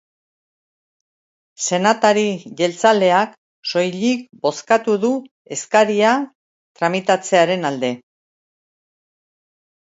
Senatari jeltzaleak soilik bozkatu du eskaria tramitatzearen alde.